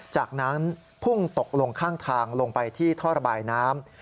จากนั้นพุ่งตกลงข้างทางลงไปที่ท่อระบายน้ำ